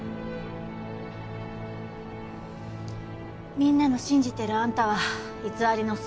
みんなの信じてるあんたは偽りの姿。